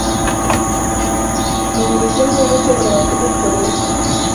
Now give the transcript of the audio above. Menyesha niba ushobora kubikora ejo.